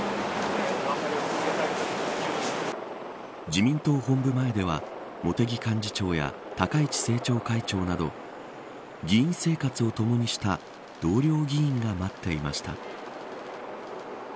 自民党本部前では茂木幹事長や高市政調会長など議員生活をともにした同僚議員が待っていました。